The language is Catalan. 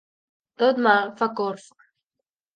Tot mal fa corfa.